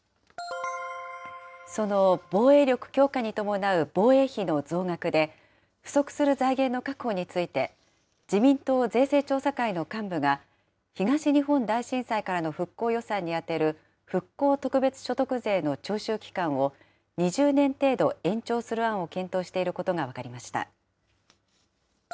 その防衛力強化に伴う防衛費の増額で、不足する財源の確保について、自民党税制調査会の幹部が、東日本大震災からの復興予算に充てる復興特別所得税の徴収期間を２０年程度延長する案を検討していることが分かりました。